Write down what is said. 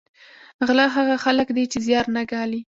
غله هغه خلک دي چې زیار نه ګالي